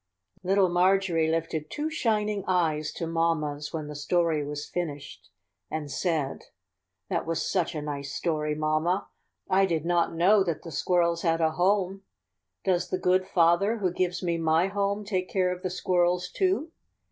" Little Marjorie lifted two shining eyes to mamma's when the story was finished, and said: "That was such a nice story, mamma. THE SQUIRRELS' HARVEST. 67 I did not know that the squirrels had a home. Does the good Father, who gives me my home, take care of the squirrels too?